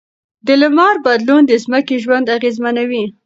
د لمر بدلون د ځمکې ژوند اغېزمنوي.